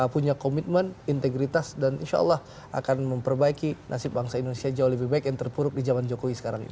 punya komitmen integritas dan insya allah akan memperbaiki nasib bangsa indonesia jauh lebih baik yang terpuruk di zaman jokowi sekarang ini